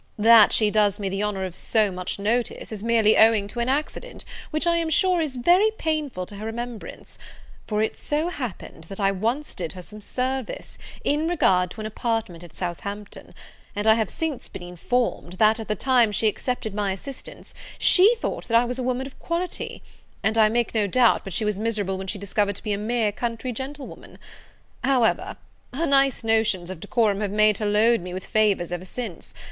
That she does me the honour of so much notice, is merely owing to an accident, which, I am sure, is very painful to her remembrance; for it so happened, that I once did her some service, in regard to an apartment at Southampton; and I have since been informed, that, at the time she accepted my assistance, she thought I was a woman of quality; and I make no doubt but she was miserable when she discovered me to be a mere country gentlewoman: however, her nice notions of decorum have made her load me with favours ever since.